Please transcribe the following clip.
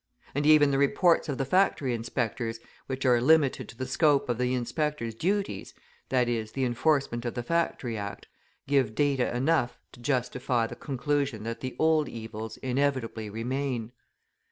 And even the reports of the factory inspectors, which are limited to the scope of the inspector's duties, i.e., the enforcement of the Factory Act, give data enough to justify the conclusion that the old evils inevitably remain.